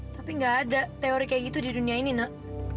tapi gak ada teori kayak gitu di dunia ini nak